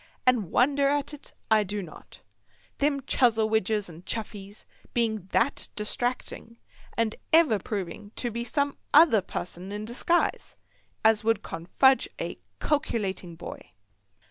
And wonder at it I do not, them Chuzzlewidges and Chuffeys being that distracting, and ever proving to be some other pusson in disguise, as would confuge a calkilating boy.